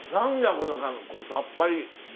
このさっぱり。